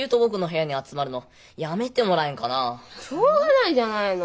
しょうがないじゃないの。